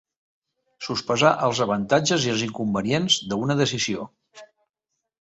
Sospesar els avantatges i els inconvenients d'una decisió.